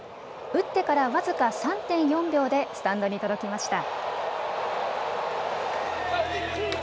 打ってから僅か３．４秒でスタンドに届きました。